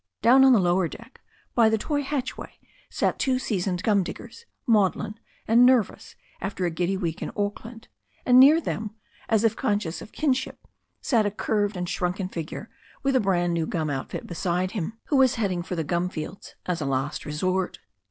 Down on the lower deck, by the toy hatchway, sat two seasoned gum diggers, maudlin and nervous after a giddy week in Auckland, and near them, as if conscious of kin ship, sat a curved and shrunken figure, with a brand new gum outfit beside him, who was heading for the gum fields as a last resource.